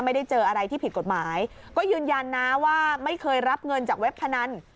ไม่ได้เจออะไรที่ผิดกฎหมายก็ยืนยันนะว่าไม่เคยรับเงินจากเว็บพนัน